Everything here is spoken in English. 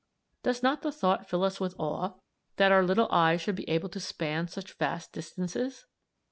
Does not the thought fill us with awe, that our little eye should be able to span such vast distances?